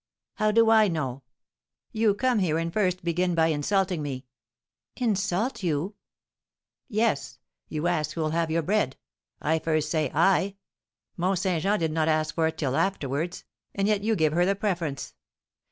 "How do I know! You come here, and first begin by insulting me." "Insult you?" "Yes, you ask who'll have your bread. I first say I. Mont Saint Jean did not ask for it till afterwards, and yet you give her the preference.